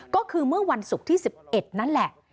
ก็คือเมื่อวันศุกร์ที่๑๑นั่นแหละ